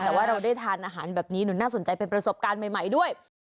แต่ว่าเราได้ทานอาหารแบบนี้หนูน่าสนใจเป็นประสบการณ์ใหม่ด้วย